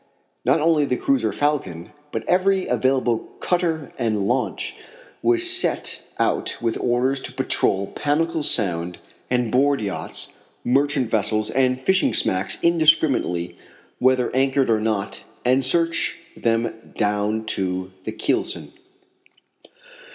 Not only the cruiser Falcon, but every available cutter and launch was sent out with orders to patrol Pamlico Sound and board yachts, merchant vessels and fishing smacks indiscriminately whether anchored or not and search them down to the keelson.